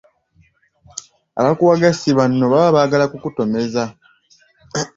Abakuwaga si banno baba baagala kukutomeza.